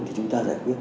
thì chúng ta giải quyết